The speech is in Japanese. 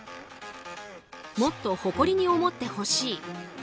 「もっと誇りに思ってほしい」。